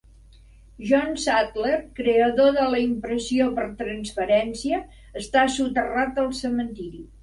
John Saddler, creador de la Impressió per transferència, està soterrat al cementiri.